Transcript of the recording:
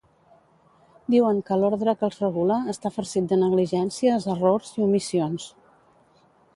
Diuen que l’ordre que els regula està farcit de negligències, errors i omissions.